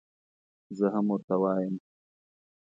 زه هم ورته وایم.